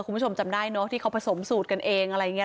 คุณผู้ชมจำได้เนอะที่เขาผสมสูตรกันเองอะไรอย่างนี้